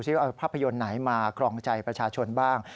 ว่าเอาภาพยนตร์ไหนมาครองใจประชาชนบ้าง